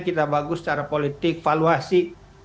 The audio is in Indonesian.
kita bagus secara politik valuasi